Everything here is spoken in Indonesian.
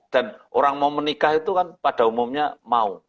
dan orang mau menikah itu kan pada umumnya mau